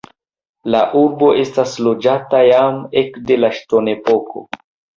La urbo estas loĝata jam ekde la ŝtonepoko.